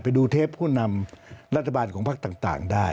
ไปดูเทปผู้นำรัฐบาลของพักต่างได้